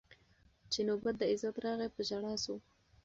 چي نوبت د عزت راغی په ژړا سو